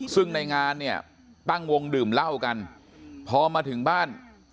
ซึ่งในงานเนี่ยตั้งวงดื่มเหล้ากันพอมาถึงบ้าน